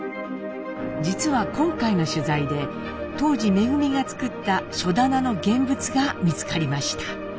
実は今回の取材で当時恩が作った書棚の現物が見つかりました。